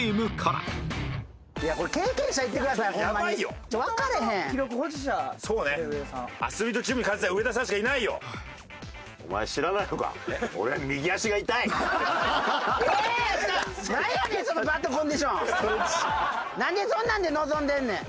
なんでそんなんで臨んでんねん。